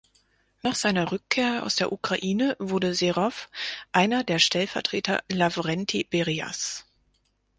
Nach seiner Rückkehr aus der Ukraine wurde Serow einer der Stellvertreter Lawrenti Berias.